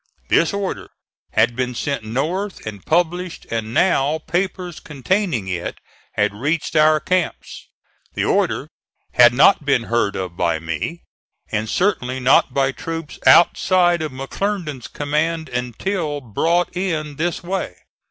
This order had been sent North and published, and now papers containing it had reached our camps. The order had not been heard of by me, and certainly not by troops outside of McClernand's command until brought in this way.